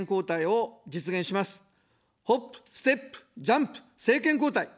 ホップ、ステップ、ジャンプ、政権交代。